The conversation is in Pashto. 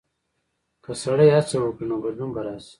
که سړی هڅه وکړي، نو بدلون به راشي.